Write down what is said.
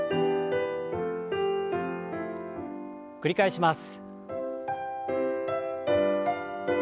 繰り返します。